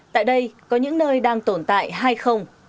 tại đây có những nơi đang tồn tại hai không